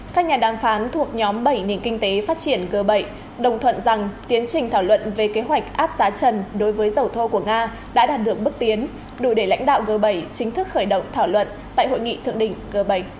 các nhà đàm phán thuộc nhóm bảy nền kinh tế phát triển g bảy đồng thuận rằng tiến trình thảo luận về kế hoạch áp giá trần đối với dầu thô của nga đã đạt được bước tiến đủ để lãnh đạo g bảy chính thức khởi động thảo luận tại hội nghị thượng đỉnh g bảy